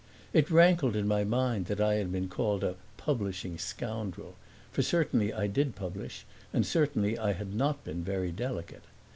It rankled in my mind that I had been called a publishing scoundrel, for certainly I did publish and certainly I had not been very delicate.